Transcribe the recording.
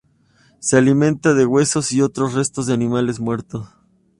Se alimenta de huesos y otros restos de animales muertos.